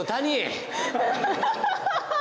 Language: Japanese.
アハハハハ！